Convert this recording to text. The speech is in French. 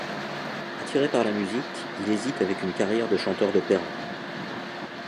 Attiré par la musique il hésite avec une carrière de chanteur d'opéra.